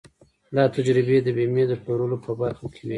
دا تجربې د بيمې د پلورلو په برخه کې وې.